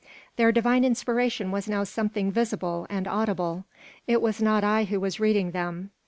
Their divine inspiration was now something visible and audible. It was not I who was reading them.